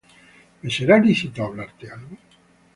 ¿Me será lícito hablarte algo?